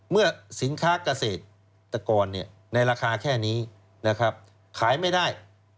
เมื่อสินค้าเกษตรกรในราคาแค่นี้นะครับขายไม่ได้